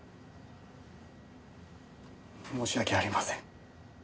申し訳ありません。